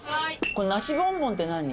梨ボンボンって何？